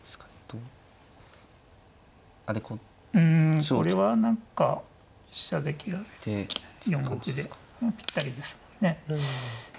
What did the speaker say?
うんこれは何か飛車で切られて４五歩でもうぴったりですもんね。